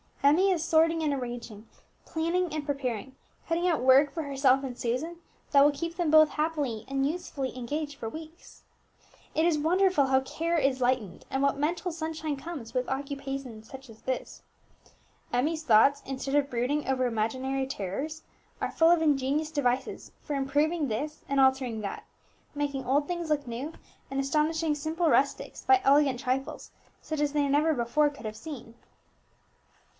Emmie is sorting and arranging, planning and preparing, cutting out work for herself and Susan that will keep them both happily and usefully engaged for weeks. It is wonderful how care is lightened, and what mental sunshine comes with occupations such as this. Emmie's thoughts, instead of brooding over imaginary terrors, are full of ingenious devices for improving this and altering that, making old things look new, and astonishing simple rustics by elegant trifles such as they never before could have seen.